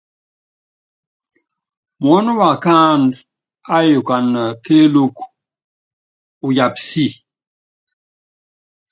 Muɔ́nɔ wákáandú áyukana kéelúku, uyaapa si.